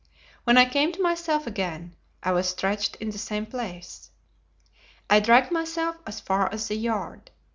When I came to myself again, I was stretched in the same place. I dragged myself as far as the yard.